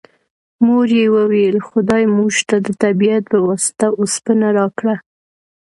مور یې وویل خدای موږ ته د طبیعت په واسطه اوسپنه راکړه